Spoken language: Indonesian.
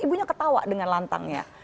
ibunya ketawa dengan lantangnya